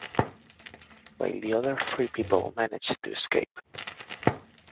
While the other three people managed to escape.